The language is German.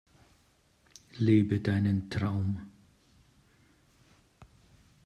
Lebe deinen Traum!